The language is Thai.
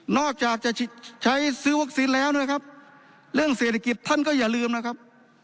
อกจากจะใช้ซื้อวัคซีนแล้วนะครับเรื่องเศรษฐกิจท่านก็อย่าลืมนะครับ